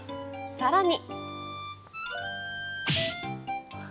更に。